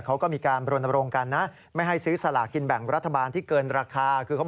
เขาก็มีการโรนโรงกันนะไม่ให้ซื้อสลากกินแบ่งรัฐบาลที่เกินราคา